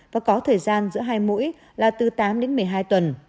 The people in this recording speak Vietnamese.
và có thời gian giữa hai mũi là từ tám đến một mươi hai tuần